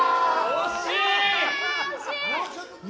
惜しい！